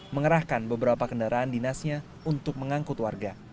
mengerahkan beberapa kendaraan dinasnya untuk mengangkut warga